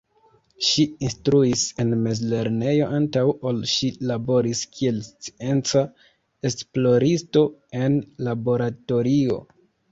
Ŝi instruis en mezlernejo antaŭ ol ŝi laboris kiel scienca esploristo en laboratorio.